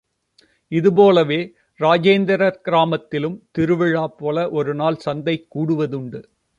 இதுபோலவே, ராஜேந்திரர் கிராமத்திலும் திருவிழா போல ஒரு நாள் சந்தை கூடுவதுண்டு.